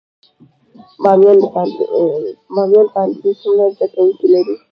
بامیان پوهنتون څومره زده کوونکي لري؟